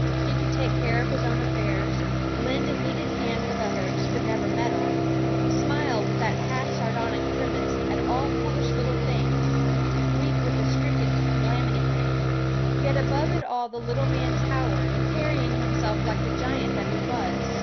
He could take care of his own affairs, lend a needed hand with others, but never meddle smile with that half sardonic grimace at all foolish little things, weep with the stricken when calamity came; yet above it all the little man towered, carrying himself like the giant that he was.